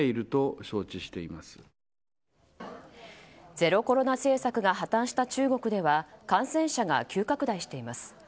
ゼロコロナ政策が破たんした中国では感染者が急拡大しています。